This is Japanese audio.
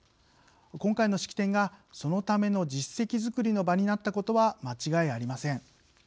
今回の式典がそのための実績作りの場になったことは間違いありません。